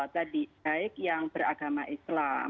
tadi baik yang beragama islam